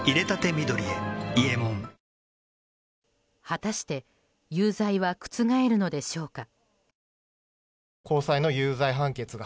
果たして有罪は覆るのでしょうか。